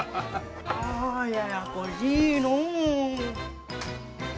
あややこしいのう。